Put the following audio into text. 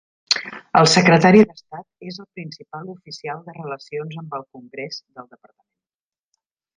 El Secretari d'estat es el principal oficial de relacions amb el congrés del departament.